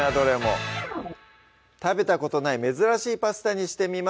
食べたことない珍しいパスタにしてみます